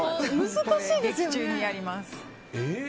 難しいですよね。